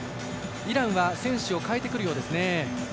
イランは選手を代えてくるようですね